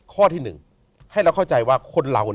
ข้อที่๑ให้เราเข้าใจว่าคนเรา